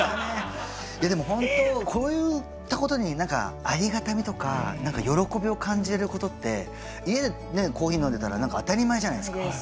でも本当こういったことに何かありがたみとか何か喜びを感じれることって家でねコーヒー飲んでたら当たり前じゃないですか。